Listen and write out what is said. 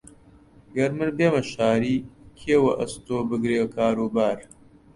ئەگەر من بێمە شاری، کێ وەئەستۆ بگرێ کاروبار؟